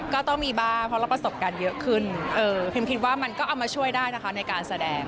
ก็ต้องมีบ้างเพราะเราประสบการณ์เยอะขึ้นพิมคิดว่ามันก็เอามาช่วยได้นะคะในการแสดง